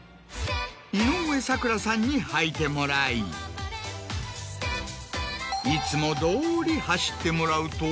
井上咲楽さんに履いてもらいいつもどおり走ってもらうと。